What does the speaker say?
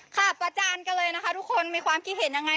ประจานกันเลยนะคะทุกคนมีความคิดเห็นยังไง